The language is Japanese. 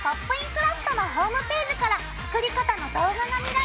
クラフト」のホームページから作り方の動画が見られるよ。